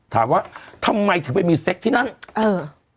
ถามว่าทำไมถึงไปกันที่นั่งเออ